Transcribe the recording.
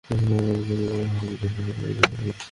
পৃথিবীতে কিছু কালের জন্য তোমাদের বসবাস ও জীবিকা রইল।